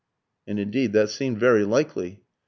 And indeed that seemed very likely.